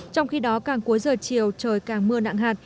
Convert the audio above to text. trong khi đó càng cuối giờ chiều trời càng mưa nặng hạt